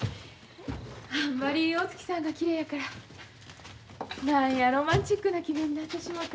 あんまりお月さんがきれいやから何やロマンチックな気分になってしもて。